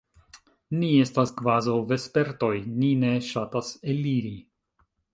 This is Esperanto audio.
Ni estas kvazaŭ vespertoj: ni ne ŝatas eliri.